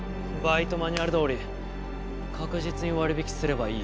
バイトマニュアルどおり確実に割り引きすればいい。